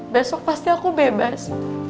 besok pasti aku bebas